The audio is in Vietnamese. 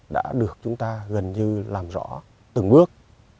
đã được chúng ta gần như làm rõ từng bước